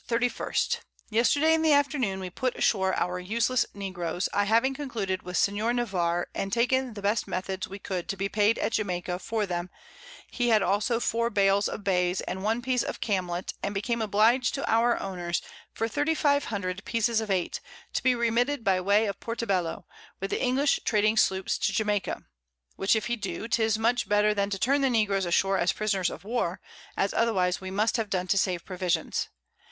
_ Yesterday in the Afternoon we put ashore our useless Negroes, I having concluded with Sen. Navarre, and taken the best Methods we could to be paid at Jamaica for them, he had also 4 Bales of Bays, and one Piece of Camlet, and became obliged to our Owners for 3500 Pieces of Eight, to be remitted by way of Portobello, with the English trading Sloops to Jamaica; which if he do, 'tis much better than to turn the Negroes ashore as Prisoners of War, as otherwise we must have done to save Provisions.